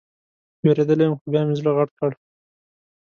وېرېدلى وم خو بيا مې زړه غټ کړ.